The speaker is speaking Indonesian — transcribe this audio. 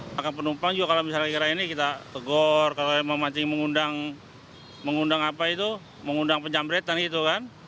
maka penumpang juga kalau misalnya kira kira ini kita tegor kalau memang mancing mengundang penjambretan gitu kan